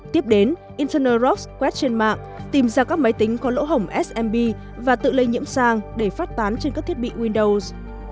tiếp đến internal rocks quét trên mạng tìm ra các máy tính có lỗ hỏng smb và tự lây nhiễm sang để phát tán trên các thiết bị windows